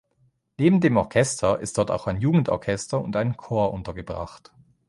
Neben dem Orchester ist dort auch ein Jugendorchester und ein Chor untergebracht.